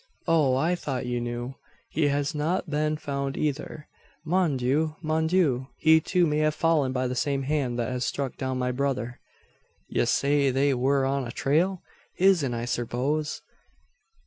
"Oh, I thought you knew. He has not been found either. Mon Dieu! mon Dieu! He, too, may have fallen by the same hand that has struck down my brother!" "Ye say they war on a trail? His'n I serpose?